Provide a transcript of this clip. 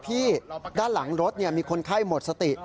ด้านหลังรถมีคนไข้หมดสติ